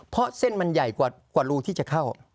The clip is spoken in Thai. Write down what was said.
เพราะเส้นมันใหญ่กว่ารูที่จะเข้า